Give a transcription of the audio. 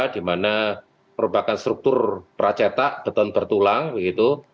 di mana merupakan struktur pracetak beton bertulang begitu